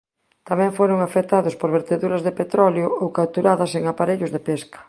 Tamén foron afectados por verteduras de petróleo ou capturadas en aparellos de pesca.